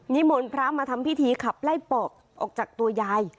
มนต์พระมาทำพิธีขับไล่ปอบออกจากตัวยาย